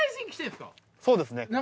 そうですね。